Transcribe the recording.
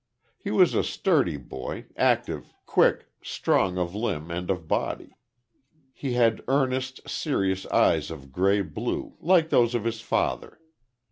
He was a sturdy boy, active, quick, strong of limb and of body. He had earnest, serious eyes of gray blue, like those of his father.